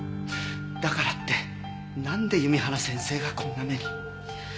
だからってなんで弓原先生がこんな目に。